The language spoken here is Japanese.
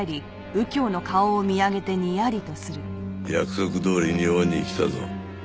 約束どおり日本に来たぞ。